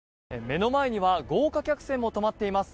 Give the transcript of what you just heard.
目の前には豪華客船も止まっています。